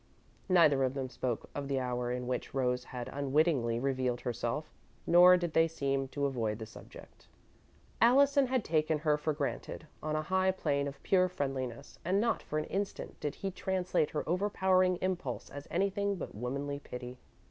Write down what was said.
Neither of them spoke of the hour in which Rose had unwittingly revealed herself, nor did they seem to avoid the subject. Allison had taken her for granted, on a high plane of pure friendliness, and not for an instant did he translate her overpowering impulse as anything but womanly pity.